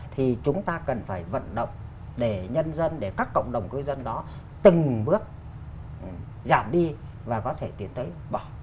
thì chúng ta cần phải vận động để nhân dân để các cộng đồng cư dân đó từng bước giảm đi và có thể tiến tới bỏ